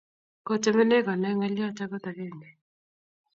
Kotemenee konai ng'alyot agot akenge.